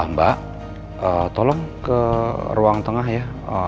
mbak tolong ke ruang tengah ya